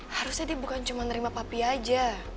harusnya dia bukan cuma nerima papi aja